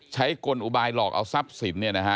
ใช้กลอุบายหลอกเอาทรัพย์สินเนี่ยนะฮะ